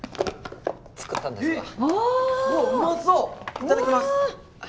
いただきます！